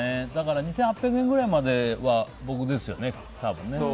２８００円くらいまでは僕ですよね、多分ね。